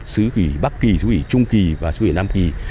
sứ ủy bắc kỳ sứ ủy trung kỳ và sứ ủy nam kỳ